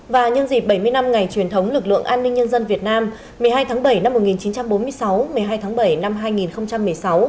và nhân dịp bảy mươi năm ngày truyền thống lực lượng an ninh nhân dân việt nam một mươi hai tháng bảy năm một nghìn chín trăm bốn mươi sáu một mươi hai tháng bảy năm hai nghìn một mươi sáu